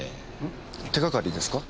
手がかりですか？